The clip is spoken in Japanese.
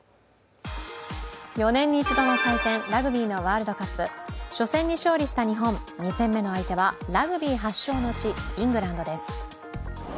４年に一度の祭典、ラグビーのワールドカップ初戦に勝利した日本、２戦目の相手はラグビー発祥の地、イングランドです。